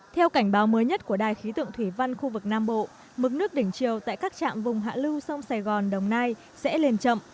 theo cảnh báo mới nhất của đài khí tượng thủy văn khu vực nam bộ mức nước đỉnh chiều tại các trạm vùng hạ lưu sông sài gòn đồng nai sẽ lên chậm